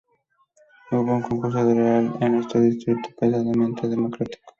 Hubo un concurso real en este distrito pesadamente Democrático.